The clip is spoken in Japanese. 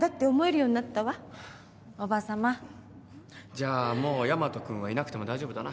じゃあもうヤマト君はいなくても大丈夫だな。